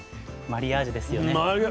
マリアージュですよね。